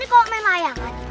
ini kok main layangan